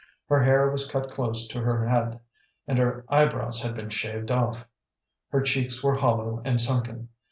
Her hair was cut close to her head, and her eyebrows had been shaved off. Her cheeks were hollow and sunken.